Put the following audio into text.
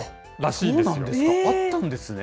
あったんですね？